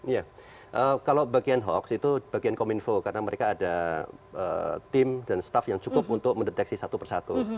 ya kalau bagian hoax itu bagian kominfo karena mereka ada tim dan staff yang cukup untuk mendeteksi satu persatu